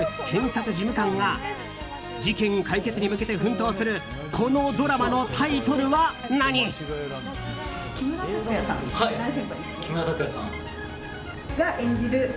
検察事務官が事件解決に向けて奮闘するこのドラマのタイトルは何？が演じる